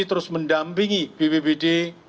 terus mendampingi bwbd